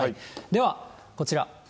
ではこちら。